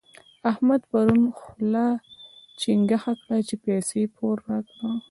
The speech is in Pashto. احمد پرون خوله چينګه کړه چې پيسې پور راکړه.